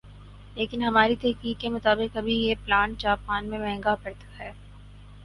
لیکن ہماری تحقیق کے مطابق ابھی یہ پلانٹ جاپان میں مہنگا پڑتا ھے